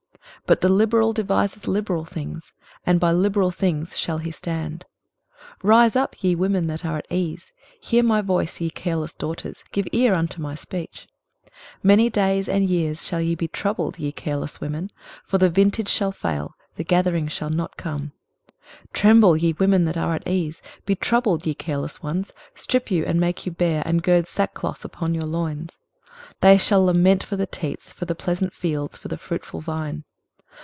23:032:008 But the liberal deviseth liberal things; and by liberal things shall he stand. 23:032:009 Rise up, ye women that are at ease; hear my voice, ye careless daughters; give ear unto my speech. 23:032:010 Many days and years shall ye be troubled, ye careless women: for the vintage shall fail, the gathering shall not come. 23:032:011 Tremble, ye women that are at ease; be troubled, ye careless ones: strip you, and make you bare, and gird sackcloth upon your loins. 23:032:012 They shall lament for the teats, for the pleasant fields, for the fruitful vine.